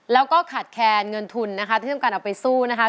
แล้วก็ขาดแคลนเงินทุนนะคะที่ทำการเอาไปสู้นะคะ